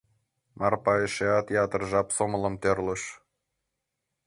Марпа эшеат ятыр жап сомылым тӧрлыш.